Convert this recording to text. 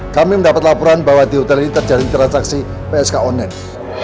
kami mendapat laporan bahwa di hotel ini terjadi transaksi psk online